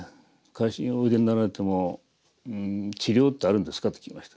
「回診においでになられても治療ってあるんですか」と聞きました。